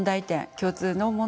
共通の問題点